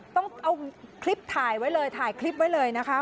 ต้องเอาคลิปถ่ายไว้เลยถ่ายคลิปไว้เลยนะคะ